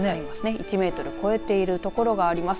１メートルを超えている所があります。